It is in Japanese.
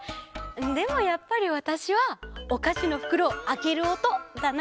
でもやっぱりわたしはおかしのふくろをあけるおとだな。